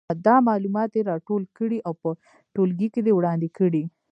دا معلومات دې راټول کړي او په ټولګي کې دې وړاندې کړي.